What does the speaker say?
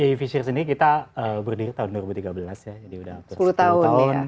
ya efishery sendiri kita berdiri tahun dua ribu tiga belas jadi sudah sepuluh tahun